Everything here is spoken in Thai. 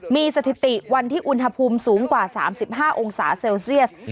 มีสถิติวันที่อุณหภูมิสูงกว่า๓๕องศาเซลเซียส